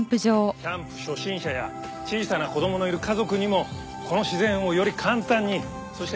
キャンプ初心者や小さな子供のいる家族にもこの自然をより簡単に。